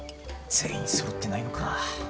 全員そろってないのか。